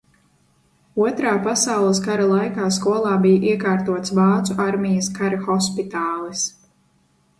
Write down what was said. Otrā pasaules kara laikā skolā bija iekārtots vācu armijas kara hospitālis.